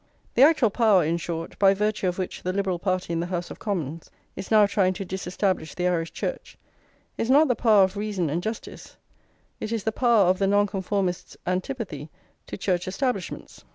The actual power, in short, by virtue of which the Liberal party in the House of Commons is now trying to disestablish the Irish Church, is not the power of reason and justice, it is the power of the Nonconformists' antipathy to Church establishments.